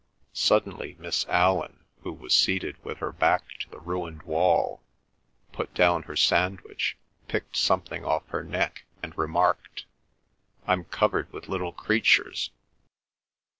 Suddenly Miss Allan, who was seated with her back to the ruined wall, put down her sandwich, picked something off her neck, and remarked, "I'm covered with little creatures."